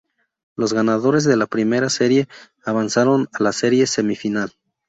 Los ganadores de la Primera Serie avanzaron a la Serie Semifinal.